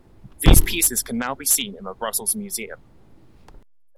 These pieces can now be seen in the Brussels museum.